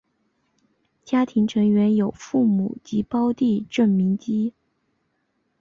家庭成员有父母及胞弟郑民基。